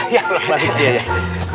iya bolak balik